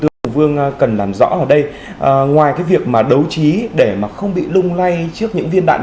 lương hùng vương cần làm rõ ở đây ngoài cái việc mà đấu trí để mà không bị lung lay trước những viên đạn